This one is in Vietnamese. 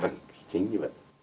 vâng chính như vậy